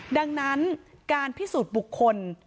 ดังนั้นการพิสูจน์บุคคล